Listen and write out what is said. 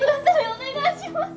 お願いします